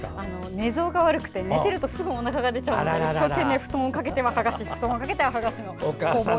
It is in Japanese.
寝相が悪くて、寝てるとすぐおなかが出ちゃうので一生懸命布団をかけてははがしかけてははがしの攻防です。